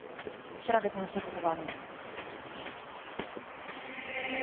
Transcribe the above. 調べてほしいことがあるの